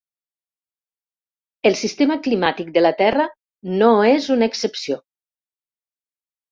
El sistema climàtic de la terra no és una excepció.